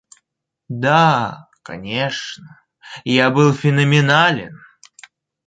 Да, конечно, я был феноменален!